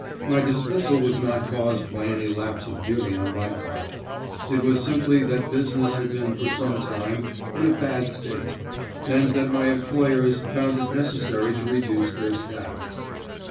My dismissal was not caused by any lapse of duty on my part; it was simply that business had been for some time in a bad state, and that my employers found it necessary to reduce their staff.